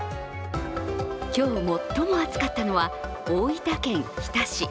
今日最も暑かったのは大分県日田市。